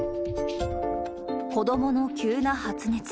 子どもの急な発熱。